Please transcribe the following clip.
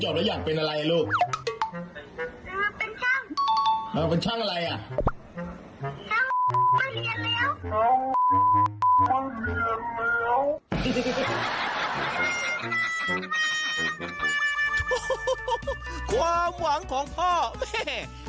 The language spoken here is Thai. ความหวังของพ่อแม่